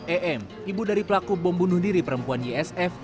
em ibu dari pelaku bom bunuh diri perempuan ysf